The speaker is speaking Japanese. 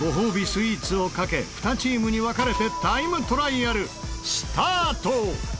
スイーツを懸け２チームに分かれてタイムトライアルスタート！